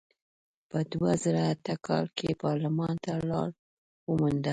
په دوه زره اته کال کې پارلمان ته لار ومونده.